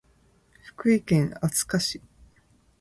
福井県敦賀市